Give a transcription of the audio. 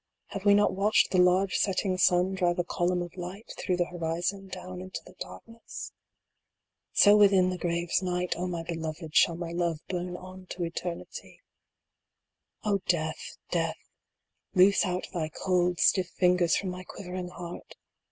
Have we not watched the large setting sun drive a H4 DYING. column of light through the horizon down into the darkness ? So within the grave s night, O my beloved ! shall my love burn on to eternity. O Death ! Death ! loose out thy cold, stiff fingers from my quivering heart